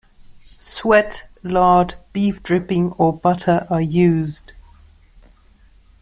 Suet, lard, beef dripping or butter are used.